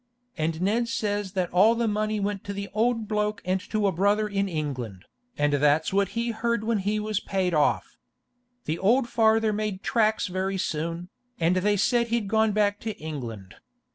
And Ned says as all the money went to the old bloak and to a brother in England, and that's what he herd when he was paid off. The old farther made traks very soon, and they sed he'd gone back to England.